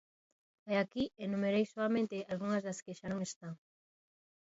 E aquí enumerei soamente algunhas das que xa non están.